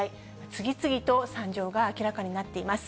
次々と惨状が明らかになっています。